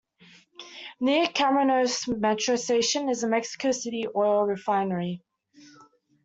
Near Camarones metro station is the Mexico City oil refinery.